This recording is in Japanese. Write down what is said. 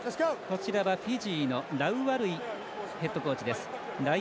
フィジーのライワルイヘッドコーチ。